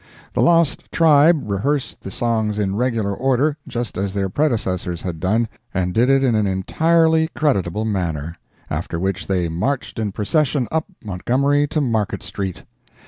The lost tribe rehearsed the songs in regular order, just as their predecessors had done, and did it in an entirely creditable manner, after which they marched in procession up Montgomery to Market street.